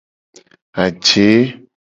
Aje.